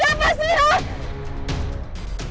kalian siapa sih